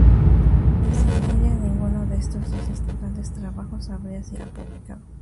Sin ella, ninguno de estos dos importantes trabajos habrían sido publicado.